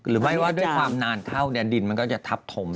หรือไม่ว่าด้วยความนานเข้าดินมันก็จะทับถม